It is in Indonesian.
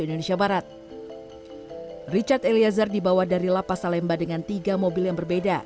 indonesia barat richard eliezer dibawa dari lapas salemba dengan tiga mobil yang berbeda